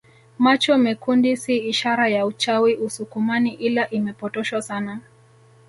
Macho mekundi si ishara ya uchawi usukumani ila imepotoshwa sana